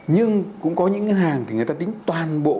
nhưng cũng có những ngân hàng thì người ta tính toàn bộ